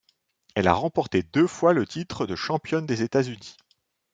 Elle a remporté deux fois le titre de championne des États-Unis.